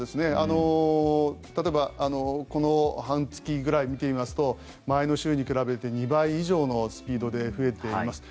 例えばこの半月ぐらいを見てみますと前の週に比べて２倍以上のスピードで増えています。